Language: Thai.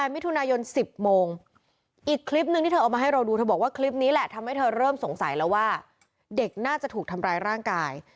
มิถุนายน๑๐โมงอีกคลิปหนึ่งที่เธอเอามาให้เราดูเธอบอกว่าคลิปนี้แหละทำให้เธอเริ่มสงสัยแล้วว่าเด็กน่าจะถูกทำร้ายร่างกาย